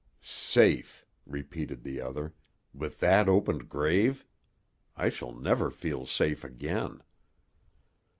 "Safe!" repeated the other. "With that opened grave! I shall never feel safe again."